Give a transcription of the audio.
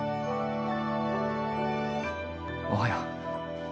おはよう。